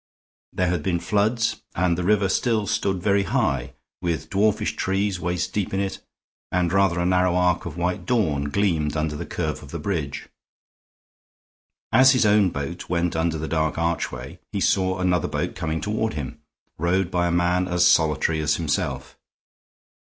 There had been floods and the river still stood very high, with dwarfish trees waist deep in it, and rather a narrow arc of white dawn gleamed under the curve of the bridge. As his own boat went under the dark archway he saw another boat coming toward him, rowed by a man as solitary as himself.